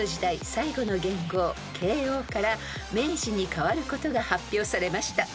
最後の元号慶応から明治に変わることが発表されました］